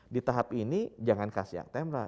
di tahap ini jangan kasih actemra